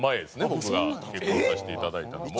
僕が結婚させていただいたのも。